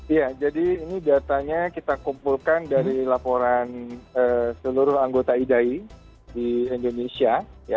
ya jadi ini datanya kita kumpulkan dari laporan seluruh anggota idai di indonesia